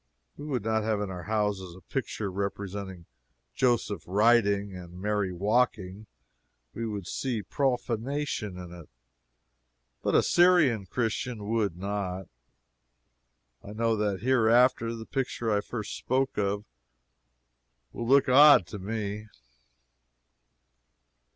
We would not have in our houses a picture representing Joseph riding and Mary walking; we would see profanation in it, but a Syrian Christian would not. I know that hereafter the picture I first spoke of will look odd to me.